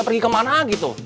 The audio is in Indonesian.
pergi kemana gitu